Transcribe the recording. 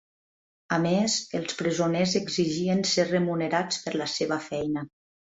A més, els presoners exigien ser remunerats per la seva feina.